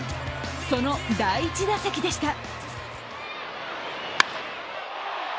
その第１打席でした。